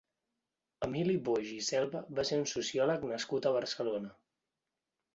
Emili Boix i Selva va ser un sociòleg nascut a Barcelona.